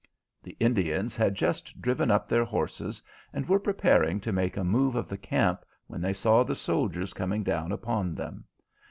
The Indians had just driven up their horses, and were preparing to make a move of the camp, when they saw the soldiers coming down upon them.